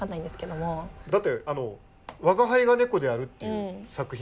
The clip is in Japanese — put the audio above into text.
だって「我輩は猫である」っていう作品。